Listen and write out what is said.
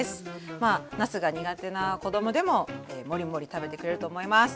まあなすが苦手な子供でもモリモリ食べてくれると思います。